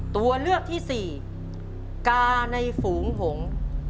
ตัวเลือกที่สี่กาในฝูงผง